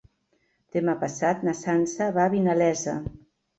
Demà passat na Sança va a Vinalesa.